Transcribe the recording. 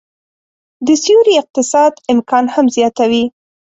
د سیوري اقتصاد امکان هم زياتوي